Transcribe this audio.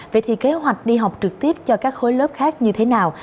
vậy thì kế hoạch đi học trực tiếp cho các khối lớp khác như thế nào